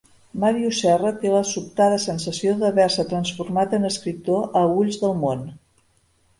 Màrius Serra té la sobtada sensació d'haver-se transformat en escriptor a ulls del món.